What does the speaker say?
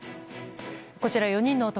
こちら、４人の男。